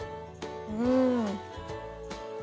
うん。